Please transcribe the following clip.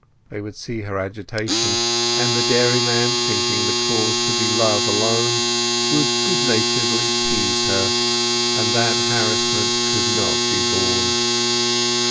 They would see her agitation; and the dairyman, thinking the cause to be love alone, would good naturedly tease her; and that harassment could not be borne.